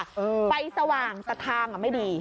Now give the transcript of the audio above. ไฟสว่างสะทางไม่ดี